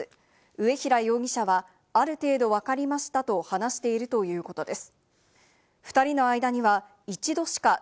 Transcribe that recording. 上平容疑者はある程度わかりましたと話しているということです。